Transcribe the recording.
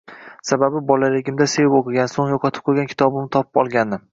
Sababi bolaligimda sevib oʻqigan, soʻng yoʻqotib qoʻygan kitobimni topib olgandim